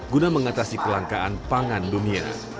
guna mengatasi kelangkaan pangan dunia